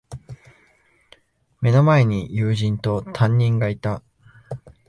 目の前に友人と、担任がいた。